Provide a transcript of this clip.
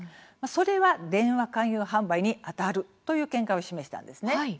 それは電話勧誘販売にあたるという見解を示したんですね。